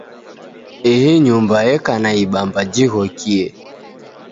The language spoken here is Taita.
Ihi nyumba eka na ibamba jighokie.